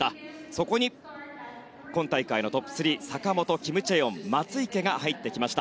そこに今大会のトップ３坂本、キム・チェヨン、松生が入ってきました。